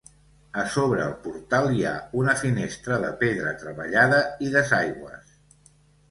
A sobre el portal hi ha una finestra de pedra treballada i desaigües.